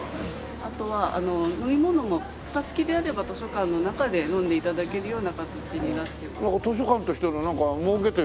あとは飲み物もフタ付きであれば図書館の中で飲んで頂けるような形になっております。